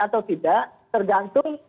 atau tidak tergantung